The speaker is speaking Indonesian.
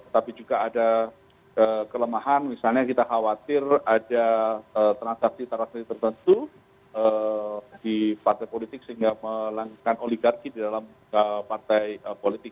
tapi juga ada kelemahan misalnya kita khawatir ada transaksi transaksi tertentu di partai politik sehingga melakukan oligarki di dalam partai politik